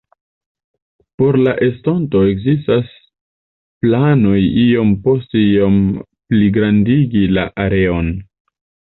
Por la estonto ekzistas planoj iom post iom pligrandigi la areon.